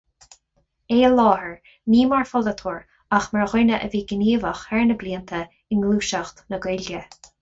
É i láthair, ní mar pholaiteoir ach mar dhuine a bhí gníomhach thar na blianta i ngluaiseacht na Gaeilge.